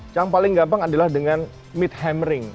yang paling gampang adalah dengan meet hammering